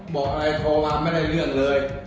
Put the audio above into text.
บอกอะไรโทรมาไม่ได้เรื่องเลย